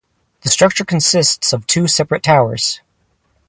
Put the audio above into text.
The structure consists of two separate towers.